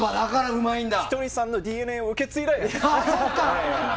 ひとりさんのＤＮＡを受け継いだ方です。